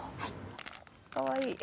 かわいい。